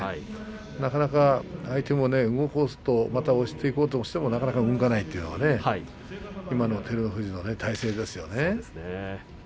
なかなか相手も押していこうとしてもなかなか動かないというのが今の照ノ富士の体勢ですよね。